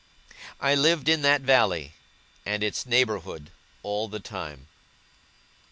I lived in that valley, and its neighbourhood, all the time.